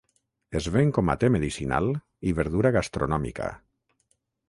Es ven com a te medicinal i verdura gastronòmica.